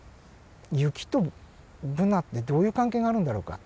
雪とブナってどういう関係があるんだろうか？